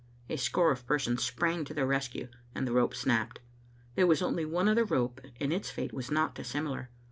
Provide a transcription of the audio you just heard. A score of persons sprang to their rescue, and the rope snapped. There was only one other rope, and its fate was not dissimilar.